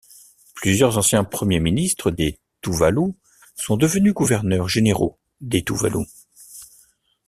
Plusieurs anciens Premiers ministres des Tuvalu sont devenus gouverneurs généraux des Tuvalu.